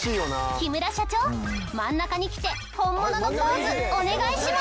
木村社長真ん中に来て本物のポーズお願いします！